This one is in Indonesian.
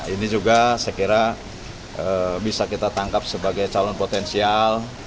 ini juga saya kira bisa kita tangkap sebagai calon potensial